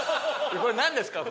これなんですか？